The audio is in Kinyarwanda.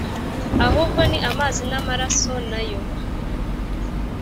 ahubwo ni amazi n'amaraso na yo;